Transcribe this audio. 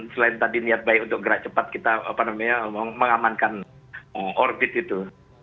selain tadi niat baik untuk gerak cepat kita mengamankan orbit itu